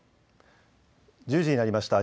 １０時になりました。